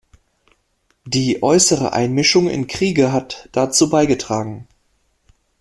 Die äußere Einmischung in Kriege hat dazu beigetragen.